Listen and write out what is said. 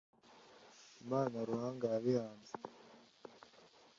imana ruhanga yabiihanze